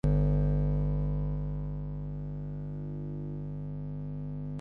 社会主义制度是中华人民共和国的根本制度